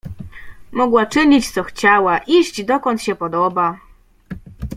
Mogła czynić, co chciała, iść, dokąd się podoba…